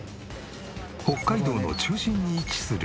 北海道の中心に位置する美瑛。